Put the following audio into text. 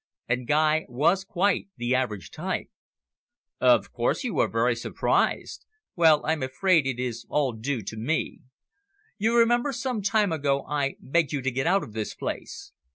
And Guy was quite the average type. "Of course you are very surprised. Well, I am afraid it is all due to me. You remember some time ago I begged you to get out of this place.